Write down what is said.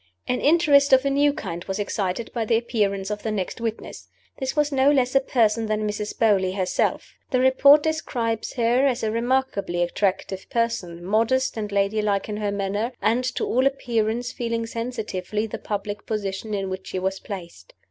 An interest of a new kind was excited by the appearance of the next witness. This was no less a person than Mrs. Beauly herself. The Report describes her as a remarkably attractive person; modest and lady like in her manner, and, to all appearance, feeling sensitively the public position in which she was placed.